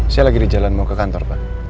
saya lagi di jalan mau ke kantor pak